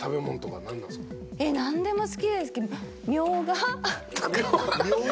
何でも好きですけど。